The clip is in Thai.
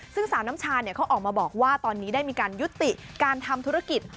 ซึ่งสาวน้ำชาเขาออกมาบอกว่าตอนนี้ได้มีการยุติการทำธุรกิจ